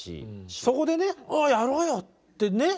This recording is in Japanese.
そこでねああやろうよってね。